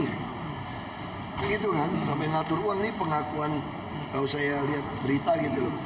kayak gitu kan sampai ngatur uang nih pengakuan kalau saya lihat berita gitu